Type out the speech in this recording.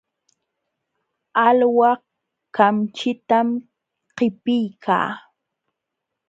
Alwa kamchitam qipiykaa.